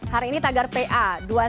hari ini tagar pa dua ratus dua belas